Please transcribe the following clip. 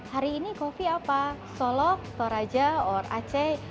hari ini kopi apa solok toraja orang aceh